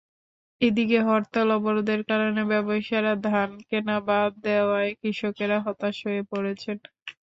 এদিকে হরতাল-অবরোধের কারণে ব্যবসায়ীরা ধান কেনা বাদ দেওয়ায় কৃষকেরা হতাশ হয়ে পড়েছেন।